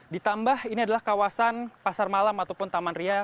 ditambah ini adalah kawasan pasar malam ataupun taman ria